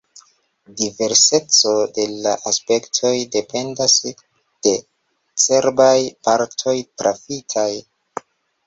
Diverseco de la aspektoj dependas de cerbaj partoj trafitaj.